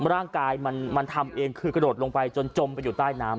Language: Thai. ร่างกายมันทำเองคือกระโดดลงไปจนจมไปอยู่ใต้น้ำ